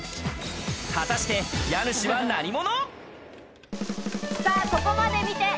果たして家主は何者？